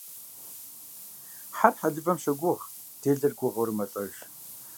Хьэр хьэлывэм щогуыгъ, делэр гугъэурэ мэлӏэж.